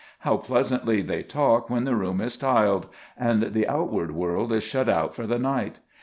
How pleasantly they talk when the room is tiled, and the outward world is shut out for the night!